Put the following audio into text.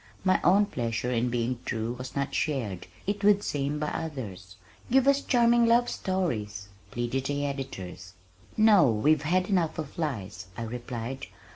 My own pleasure in being true was not shared, it would seem, by others. "Give us charming love stories!" pleaded the editors. "No, we've had enough of lies," I replied.